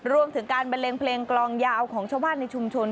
รวมถึงการบันเลงเพลงกลองยาวของชาวบ้านในชุมชน